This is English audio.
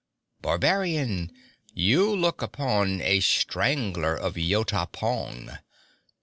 Barbarian, you look upon a strangler of Yota pong.